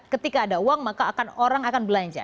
ketika ada uang maka orang akan belanja